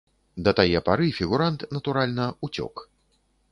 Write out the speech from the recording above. Да тае пары фігурант, натуральна, уцёк.